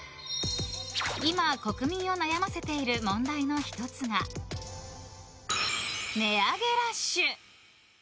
今、国民を悩ませている問題の１つが値上げラッシュ。